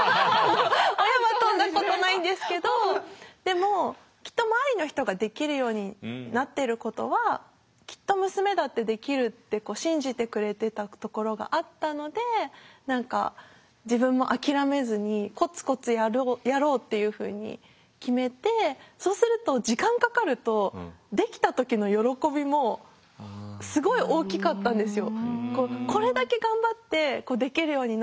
親は跳んだことないんですけどでもきっと周りの人ができるようになってることはきっと娘だってできるって信じてくれてたところがあったので何か自分も諦めずにコツコツやろうっていうふうに決めてそうすると時間かかるとできた時の喜びもすごい大きかったんですよ。